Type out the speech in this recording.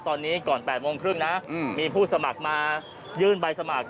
ตอนนี้ก่อน๘โมงครึ่งนะมีผู้สมัครมายื่นใบสมัคร